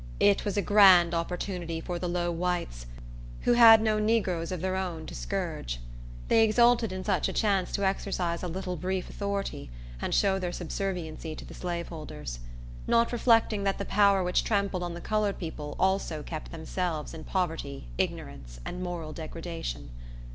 It was a grand opportunity for the low whites, who had no negroes of their own to scourge. They exulted in such a chance to exercise a little brief authority, and show their subserviency to the slaveholders; not reflecting that the power which trampled on the colored people also kept themselves in poverty, ignorance, and moral degradation.